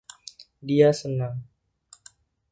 Dia senang.